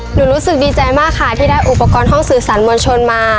รู้สึกดีใจมากค่ะที่ได้อุปกรณ์ห้องสื่อสารมวลชนมา